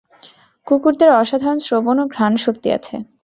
কুকুরদের অসাধারণ শ্রবণ ও ঘ্রাণ শক্তি আছে।